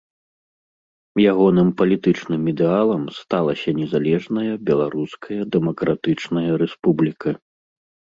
Ягоным палітычным ідэалам сталася незалежная Беларуская Дэмакратычная Рэспубліка.